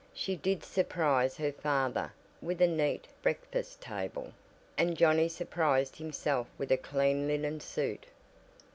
She did surprise her father with a neat breakfast table, and Johnnie surprised himself with a clean linen suit.